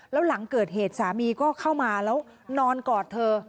แล้วหลังเกิดเหตุสามีก็เข้ามาแล้วนอนกอดเธอ